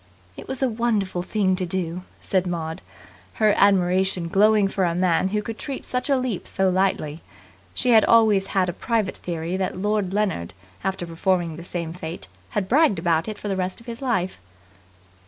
"It was a wonderful thing to do," said Maud, her admiration glowing for a man who could treat such a leap so lightly. She had always had a private theory that Lord Leonard, after performing the same feat, had bragged about it for the rest of his life.